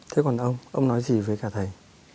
thế còn ông ông nói gì với cả thầy